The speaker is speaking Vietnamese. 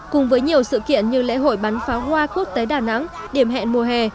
cùng với nhiều sự kiện như lễ hội bắn pháo hoa quốc tế đà nẵng điểm hẹn mùa hè